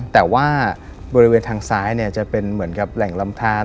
แต่ว่าบริเวณทางซ้ายจะเป็นเหมือนกับแหล่งลำทาน